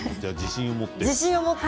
自信を持って。